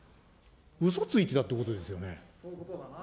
うそついてたってことですよね。